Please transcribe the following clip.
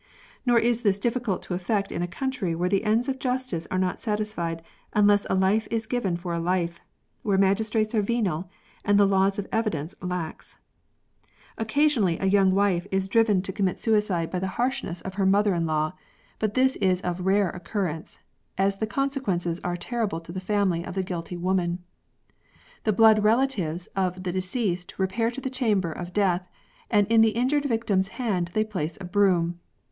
Nor is this difficult to effect in a country where the ends of jus tice are not satisfied unless a life is given for a life, where magistrates are venal, and the laws of evidence lax. Occasionally a young wife is driven to commit I30 SUICIDE. suicide by the harshness of her mother in law, but this is of rare occurrence, as the consequences are terrible to the family of the guilty woman. The blood rela tives of the deceased repair to the chamber of death, and in the injured victim's hand they place a broom.